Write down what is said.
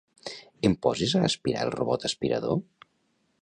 Em poses a aspirar el robot aspirador?